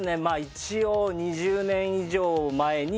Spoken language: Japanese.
一応２０年以上前にちょっと。